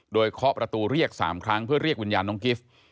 โดยเคาะประตูเรียก๓ครั้งเพื่อเรียกวิญญาณน้องกิฟต์